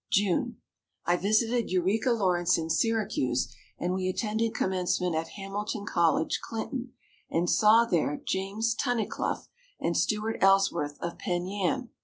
June. I visited Eureka Lawrence in Syracuse and we attended commencement at Hamilton College, Clinton, and saw there, James Tunnicliff and Stewart Ellsworth of Penn Yan.